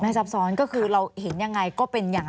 ไม่ซับซ้อนก็คือเราเห็นยังไงก็เป็นยังไง